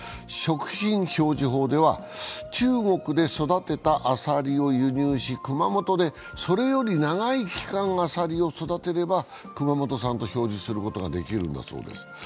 食品表示法では中国で育てたアサリを輸入し、熊本でそれより長い期間アサリを育てれば熊本産と表示することができるんだそうです。